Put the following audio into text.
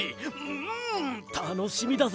んたのしみだぜ！